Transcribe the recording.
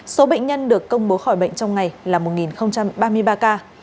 số bệnh nhân được công bố khỏi bệnh trong ngày là một ba mươi ba ca